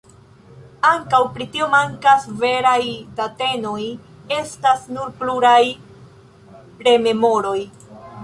Ankaŭ pri tio mankas veraj datenoj, estas nur pluraj rememoroj.